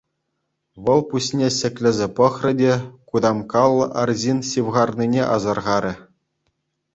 Вӑл пуҫне ҫӗклесе пӑхрӗ те кутамккаллӑ арҫын ҫывхарнине асӑрхарӗ.